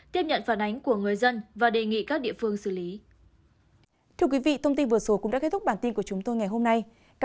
tiếp nhận phản ánh của người dân và đề nghị các địa phương xử lý